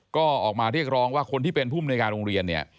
ก็ออกมาเรียกร้องว่าคนที่เป็นผู้มนุยการโรงเรียนเนี่ย